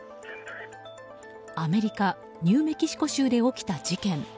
アメリカ・ニューメキシコ州で起きた事件。